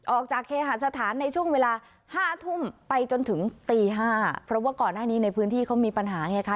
ออกจากเคหาสถานในช่วงเวลาห้าทุ่มไปจนถึงตีห้าเพราะว่าก่อนหน้านี้ในพื้นที่เขามีปัญหาไงคะ